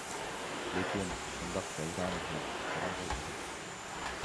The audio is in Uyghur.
لېكىن شۇنداق ۋەيرانە ھەم قاراڭغۇ ئىدى.